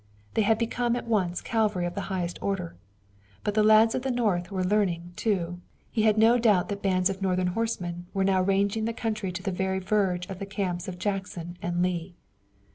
They had become at once cavalry of the highest order; but the lads of the North were learning, too. He had no doubt that bands of Northern horsemen were now ranging the country to the very verge of the camps of Jackson and Lee.